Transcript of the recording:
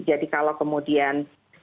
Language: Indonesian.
jadi kalau kemudian